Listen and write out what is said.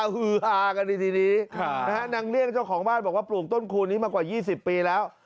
ฮือฮากันดีทีนี้นางเลี่ยงเจ้าของบ้านบอกว่าปลูกต้นคูณนี้มากว่า๒๐ปีแล้ว